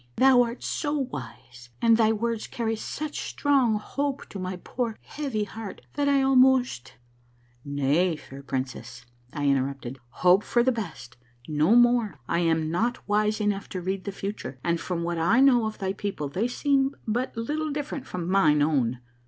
Thou art so wise and thy words carry such strong hope to my poor, heavy heart that I almost "— "Nay, fair princess," I interrupted, "hope for the best, no more. I am not wise enough to read the future, and from what 1 know of thy people they seem but little different from mine own.